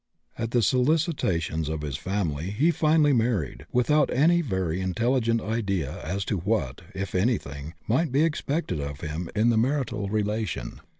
At the solicitations of his family he finally married, without any very intelligent idea as to what, if anything, might be expected of him in the marital relation.